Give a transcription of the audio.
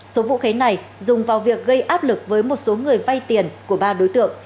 số vũ khí này dùng vào việc gây áp lực với một số người vay tiền của ba đối tượng